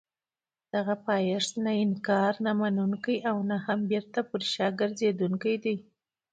دغه پایښت نه انکار نه منونکی او نه هم بېرته پر شا ګرځېدونکی دی.